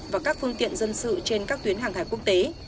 và các phương tiện dân sự trên các tuyến hàng hải quốc tế